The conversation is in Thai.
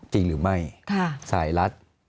จริงหรือไม่สายรัฐ